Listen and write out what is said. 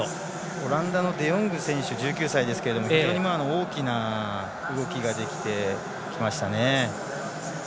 オランダのデヨング選手１９歳ですけれども非常に大きな動きができてきました。